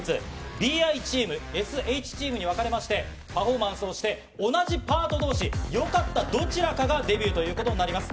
Ｂｉチーム、ＳＨチームに分かれまして、パフォーマンスをして、同じパートどうし、よかったどちらかがデビューということになります。